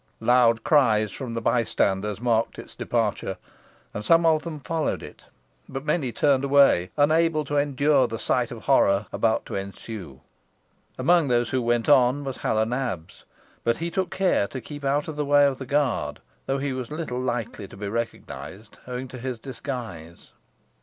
Loud cries from the bystanders marked its departure, and some of them followed it, but many turned away, unable to endure the sight of horror about to ensue. Amongst those who went on was Hal o' Nabs, but he took care to keep out of the way of the guard, though he was little likely to be recognised, owing to his disguise.